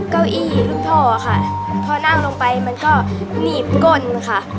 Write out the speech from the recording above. เก้าอี้รุ่นพ่อค่ะพอนั่งลงไปมันก็หนีบก้นค่ะ